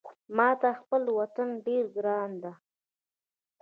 ماته خپل وطن ډېر ګران ده